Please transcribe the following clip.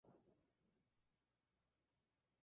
El servidor imprime "The client says: it is raining".